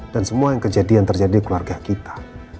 dan semua yang terjadi di keluarga kita